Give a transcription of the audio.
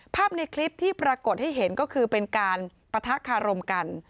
ภาพในคลิปที่ปรากฏให้เห็นก็คือเป็นการปะทะคารมกัน